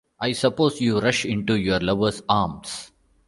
I suppose you rush into your lover's arms.